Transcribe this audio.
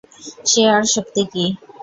সে আর শক্ত কী।